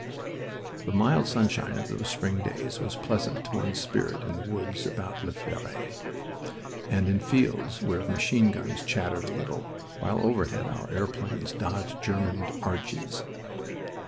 The mild sunshine of those spring days was pleasant to one's spirit in the woods above La Fere, and in fields where machine guns chattered a little, while overhead our airplanes dodged German "Archies."